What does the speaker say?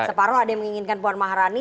separuh ada yang menginginkan puan maharani